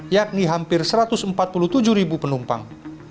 yakni hampir satu ratus empat puluh tujuh ribu penumpang